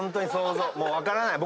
もう分からない。